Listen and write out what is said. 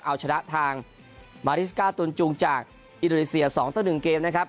เอาชนะทางมาริสก้าตุนจูงจากอินโดนีเซีย๒ต่อ๑เกมนะครับ